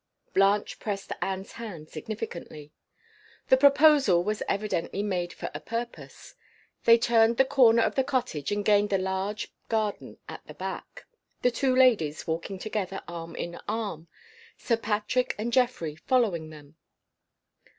Blanche pressed Anne's hand significantly. The proposal was evidently made for a purpose. They turned the corner of the cottage and gained the large garden at the back the two ladies walking together, arm in arm; Sir Patrick and Geoffrey following them.